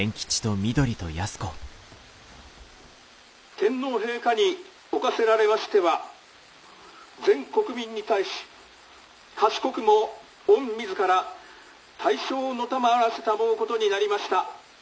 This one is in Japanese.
「天皇陛下におかせられましては全国民に対し畏くも御自ら大詔をのたまわらせたもうことになりました。